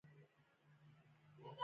نری تار لوړ مقاومت لري.